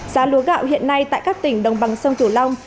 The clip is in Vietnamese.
giá lúa gạo hiện nay tại các tỉnh đồng bằng sông cửu long